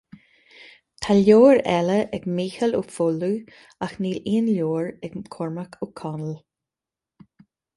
Tá leabhar eile ag Mícheál Ó Foghlú, ach níl aon leabhar ag Cormac Ó Conaill